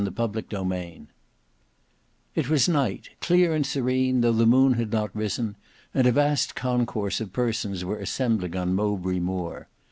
Book 4 Chapter 4 It was night: clear and serene, though the moon had not risen; and a vast concourse of persons were assembling on Mowbray Moor.